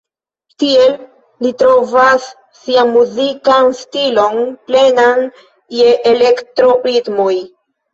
Tiel, li trovas sian muzikan stilon plenan je elektro-ritmoj.